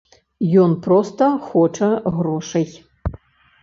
Ён проста хоча грошай.